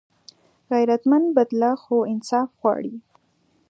غیرتمند بدله خو انصاف غواړي